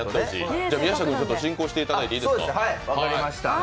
宮下君、進行していただいていいですか。